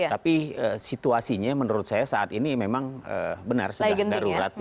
tapi situasinya menurut saya saat ini memang benar sudah darurat